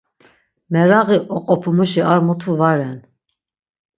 Meraği oqopumuşi ar mutu va ren.